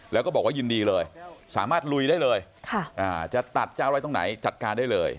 แล้วก็บอกว่ายินดีเลยสามารถลุยได้เลยจะตัดจะอะไรตรงไหนจัดการได้เลย